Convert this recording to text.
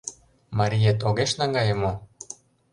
Мариет огеш наҥгае мо?